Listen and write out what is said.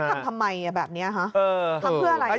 ทำทำไมแบบนี้คะทำเพื่ออะไร